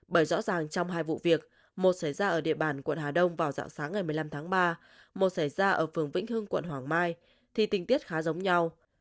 bởi rõ ràng trong hai vụ việc một xảy ra ở địa bàn quận hà đông vào dạng sáng ngày một mươi năm tháng ba một xảy ra ở phường vĩnh hưng quận hoàng mai thì tình tiết khá giống nhau